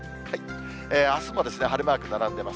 あすも晴れマーク並んでます。